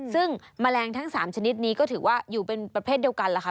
ซึ่งแมลงทั้ง๓ชนิดนี้ก็ถือว่าอยู่เป็นประเภทเดียวกันแหละค่ะ